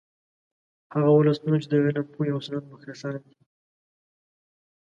هغه ولسونه چې د علم، پوهې او صنعت مخکښان دي